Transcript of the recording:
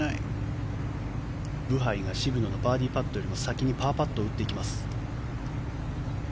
ブハイが渋野のバーディーパットよりも先にパーパットを打っていきます。